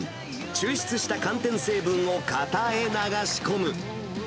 抽出した寒天成分を型へ流し込む。